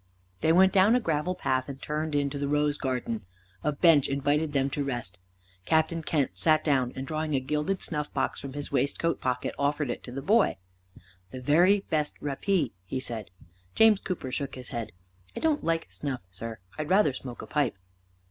They went down a gravel path and turned in to the rose garden. A bench invited them to rest. Captain Kent sat down, and drawing a gilded snuff box from his waistcoat pocket, offered it to the boy. "The very best rappee," he said. James Cooper shook his head. "I don't like snuff, sir. I'd rather smoke a pipe."